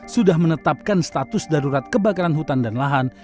sudah menetapkan status darurat kebakaran hutan dan lahan